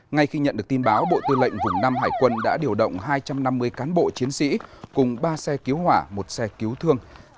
ngay khi nhận được tin báo bộ tư lệnh vùng năm hải quân đã điều động hai trăm năm mươi cán bộ chiến sĩ cùng ba xe cứu hỏa một xe cứu thương